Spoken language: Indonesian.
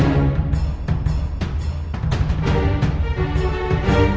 aku gak boleh ketahuan sama reno